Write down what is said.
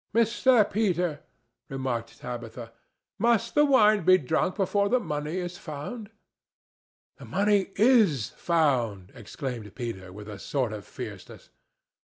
"Mr. Peter," remarked Tabitha, "must the wine be drunk before the money is found?" "The money is found!" exclaimed Peter, with a sort of fierceness.